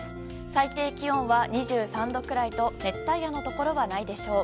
最低気温は２３度くらいと熱帯夜のところはないでしょう。